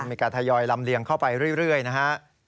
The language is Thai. มีการทยอยลำเลียงเข้าไปเรื่อยนะฮะ